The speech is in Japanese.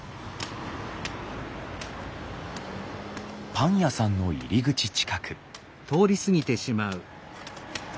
パン屋さんの入り口近く。